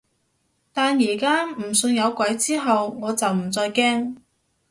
但而家唔信有鬼之後，我就唔再驚